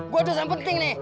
gue ada yang penting nih